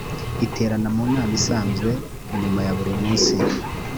iterana mu nama isanzwe nyuma ya buri munsi